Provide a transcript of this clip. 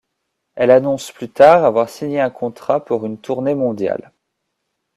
Elle annonce plus tard avoir signé un contrat pour une tournée mondiale.